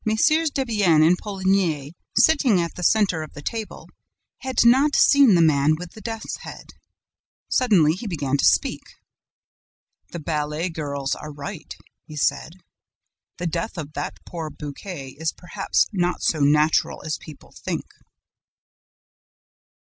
Debienne and Poligny, sitting at the center of the table, had not seen the man with the death's head. Suddenly he began to speak. "The ballet girls are right," he said. "The death of that poor Buquet is perhaps not so natural as people think."